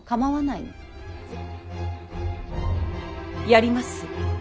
やります。